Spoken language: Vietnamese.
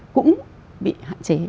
cũng bị hạn chế